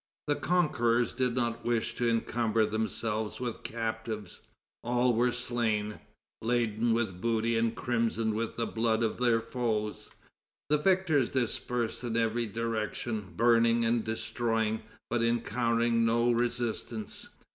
The conquerors did not wish to encumber themselves with captives. All were slain. Laden with booty and crimsoned with the blood of their foes, the victors dispersed in every direction, burning and destroying, but encountering no resistance.